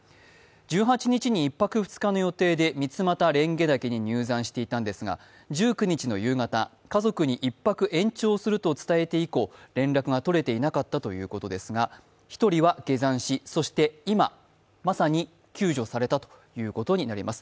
１８日に１泊２日の予定で三俣蓮華岳に入山していたんですが１９日の夕方、家族に１泊延長すると伝えて以降、連絡が取れていなかったということですが、１人は下山し、そして今、まさに救助されたということになります。